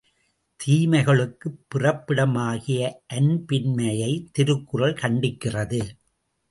தீமைகளுக்குப் பிறப்பிடமாகிய அன்பின்மையை திருக்குறள் கண்டிக்கிறது.